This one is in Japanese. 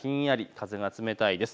風が冷たいです。